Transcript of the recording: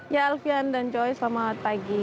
ya alfian dan joy selamat pagi